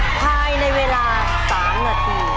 ภายในเวลา๓นาที